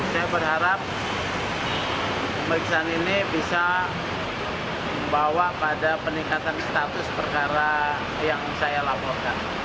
saya berharap pemeriksaan ini bisa membawa pada peningkatan status perkara yang saya laporkan